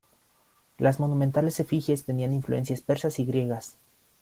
Las monumentales efigies tenían influencias persas y griegas.